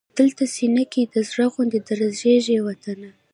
دلته سینه کې دی د زړه غوندې درزېږي وطن